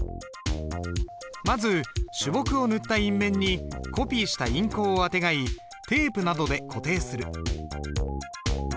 まず朱墨を塗った印面にコピーした印稿をあてがいテープなどで固定する。